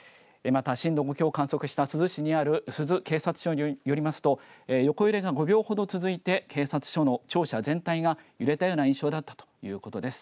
また震度５強を観測した珠洲市にある珠洲警察署によりますと横揺れが５秒ほど続いて警察署の庁舎全体が揺れたという印象でした。